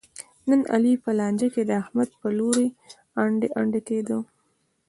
نن علي په لانجه کې د احمد په لوري انډی انډی کېدا.